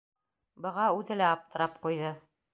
Быға үҙе лә аптырап ҡуйҙы.